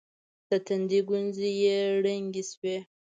د تندي گونځې يې ړنګې سوې.